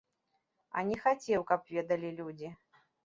А не хацеў, каб ведалі людзі.